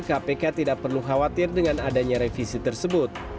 kpk tidak perlu khawatir dengan adanya revisi tersebut